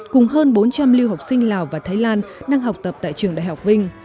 cùng hơn bốn trăm linh lưu học sinh lào và thái lan đang học tập tại trường đại học vinh